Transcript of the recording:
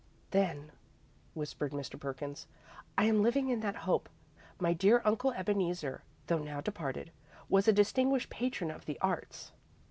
"Then," whispered Mr. Perkins, "I am living in that hope. My dear Uncle Ebeneezer, though now departed, was a distinguished patron of the arts.